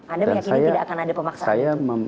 anda meyakini tidak akan ada pemaksaan